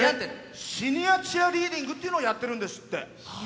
シニアチアリーディングっていうのをやってるんですって。